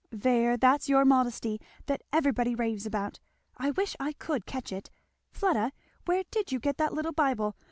"There that's your modesty, that everybody raves about I wish I could catch it. Fleda, where did you get that little Bible?